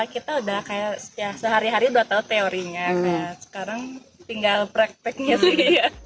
kita udah sehari hari udah tau teorinya sekarang tinggal prakteknya sih